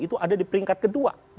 itu ada di peringkat kedua